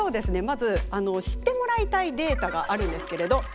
まず知ってもらいたいデータがあるんですけれどクイズです。